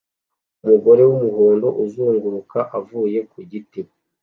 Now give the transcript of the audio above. Umugore wumuhondo uzunguruka avuye ku giti